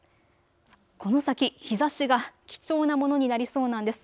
この先、日ざしが貴重なものになりそうなんです。